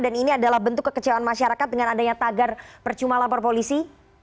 dan ini adalah bentuk kekecewaan masyarakat dengan adanya tagar percuma lapor polisi